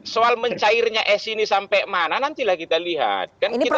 soal mencairnya s ini sampai mana nantilah kita lihat